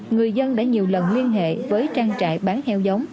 người dân đã nhiều lần liên hệ với trang trại bán heo giống